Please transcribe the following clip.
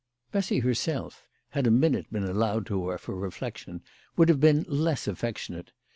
Bessy herself, had a minute been allowed to her for reflection, would have been less affectionate.